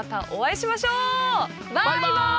バイバイ！